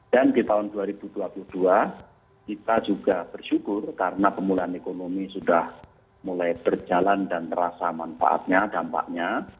dan di tahun dua ribu dua puluh dua kita juga bersyukur karena pemulaan ekonomi sudah mulai berjalan dan terasa manfaatnya dampaknya